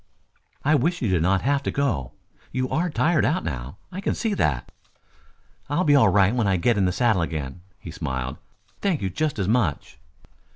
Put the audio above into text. "I wish you did not have to go. You are tired out now. I can see that." "I'll be all right when I get in the saddle again," he smiled. "Thank you just as much."